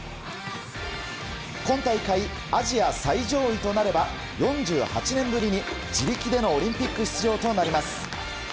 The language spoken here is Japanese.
今大会アジア最上位となれば４８年ぶりに、自力でのオリンピック出場となります。